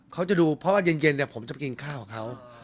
เขาจะดูเพราะว่าเย็นผมจะไปกินข้าวกับเขา